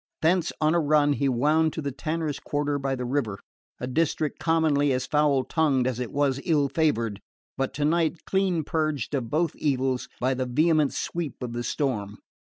Thence on a run he wound to the tanners' quarter by the river: a district commonly as foul tongued as it was ill favoured, but tonight clean purged of both evils by the vehement sweep of the storm.